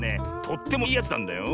とってもいいやつなんだよ。